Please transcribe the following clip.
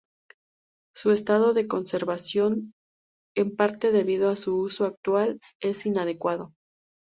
Su estado de conservación, en parte debido a su uso actual, es inadecuado.